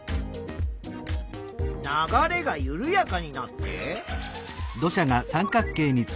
流れがゆるやかになって。